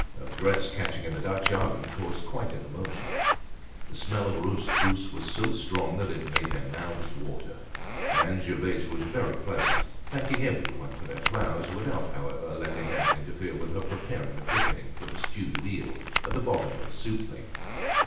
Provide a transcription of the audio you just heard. A dress catching in the Dutch oven caused quite an emotion. The smell of roast goose was so strong that it made their mouths water. And Gervaise was very pleasant, thanking everyone for their flowers without however letting that interfere with her preparing the thickening for the stewed veal at the bottom of a soup plate.